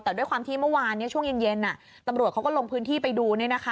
แต่ด้วยความที่เมื่อวานช่วงเย็นตำรวจเขาก็ลงพื้นที่ไปดู